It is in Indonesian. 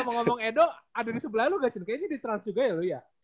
tapi ngomong ngomong edo ada di sebelah lu gak kayaknya di trans juga ya lu ya